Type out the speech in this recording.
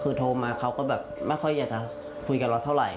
คือโทรมาเขาก็แบบไม่ค่อยอยากจะคุยกับเราเท่าไหร